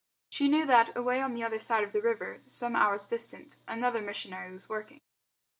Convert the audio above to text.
She knew that, away on the other side of the river, some hours distant, another missionary was working.